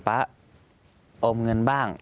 ป๊าออมเงินบ้าง